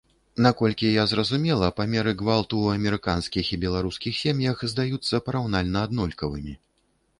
Наколькі я зразумела, памеры гвалту ў амерыканскіх і беларускіх сем'ях здаюцца параўнальна аднолькавымі.